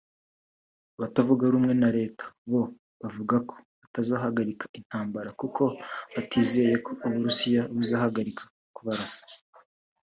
Abatavuga rumwe na leta bo bavuga ko batazahagarika intambara kuko batizeye ko u Burusiya buzahagarika kubarasa